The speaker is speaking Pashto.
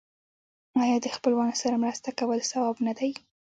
آیا د خپلوانو سره مرسته کول ثواب نه دی؟